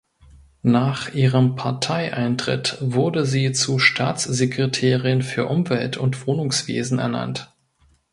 Nach ihrem Parteieintritt wurde sie zur Staatssekretärin für Umwelt und Wohnungswesen ernannt.